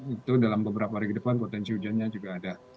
itu dalam beberapa hari ke depan potensi hujannya juga ada